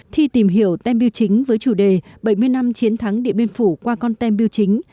thi tìm hiểu tem biêu chính với chủ đề bảy mươi năm chiến thắng điện biên phủ qua con tem biêu chính